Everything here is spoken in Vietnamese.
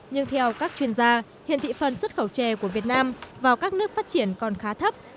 nhưng theo các chuyên gia hiện thị phần xuất khẩu chè của việt nam vào các nước phát triển còn khá thấp